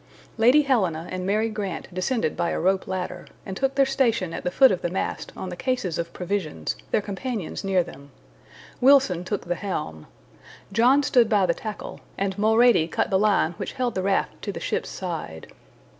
Lady Helena and Mary Grant descended by a rope ladder, and took their station at the foot of the mast on the cases of provisions, their companions near them. Wilson took the helm. John stood by the tackle, and Mulrady cut the line which held the raft to the ship's side.